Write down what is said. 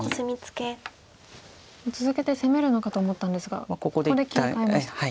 続けて攻めるのかと思ったんですがここで切り替えましたか。